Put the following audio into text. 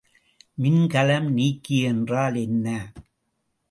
மின்கலம் நீக்கி என்றால் என்ன?